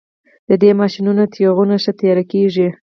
د دې ماشینونو تیغونه ښه تیره کیږي